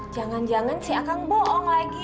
jangan jangan sih akan bohong lagi